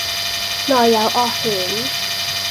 內有惡犬